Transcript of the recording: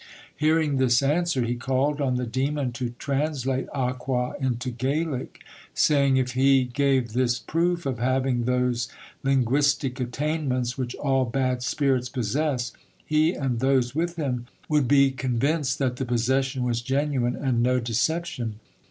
Hearing this answer, he called on the demon to translate aqua into Gaelic, saying if he gave this proof of having those linguistic attainments which all bad spirits possess, he and those with him would be convinced that the possession was genuine and no deception.